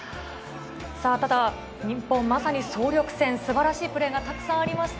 さあ、ただ、日本、まさに総力戦、すばらしいプレーがたくさんありました。